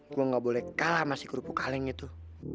gue gak boleh kalah sama si kerupuk kaleng itu